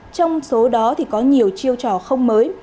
trong số đó có nhiều chiêu trò không mới